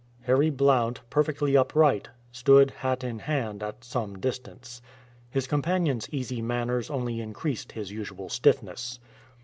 Harry Blount, perfectly upright, stood, hat in hand, at some distance. His companion's easy manners only increased his usual stiffness.